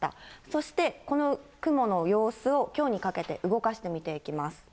そして、この雲の様子を、きょうにかけて動かして見ていきます。